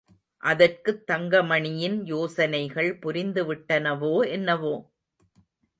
அதற்குத் தங்கமணியின் யோசனைகள் புரிந்துவிட்டனவோ என்னவோ?